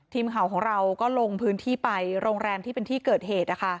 ทีมข่าวของเราก็ลงพื้นที่ไปโรงแรมที่เป็นที่เกิดเหตุ